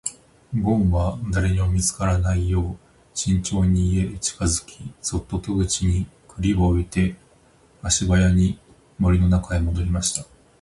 ごんは誰にも見つからないよう慎重に家へ近づき、そっと戸口に栗を置いて足早に森の中へ戻りました。